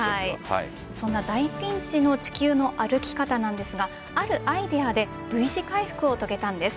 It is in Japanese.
そんな大ピンチの「地球の歩き方」なんですがあるアイデアでＶ字回復を遂げたんです。